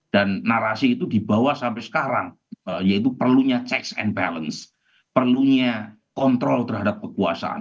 dan narasi itu dibawa sampai sekarang yaitu perlunya check and balances perlunya kontrol terhadap kekuasaan